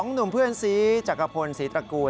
หนุ่มเพื่อนสีจักรพลศรีตระกูล